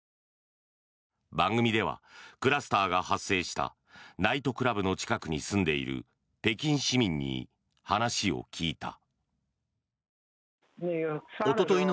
番組ではクラスターが発生したナイトクラブの近くに住んでいる北京市民に話を聞いた。